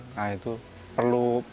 nah itu perlu